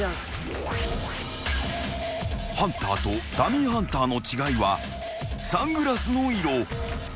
［ハンターとダミーハンターの違いはサングラスの色］